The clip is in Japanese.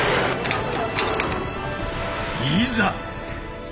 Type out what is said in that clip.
いざ！